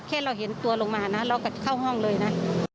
แค่เราเห็นตัวลงมานะเราก็เข้าห้องเลยนะ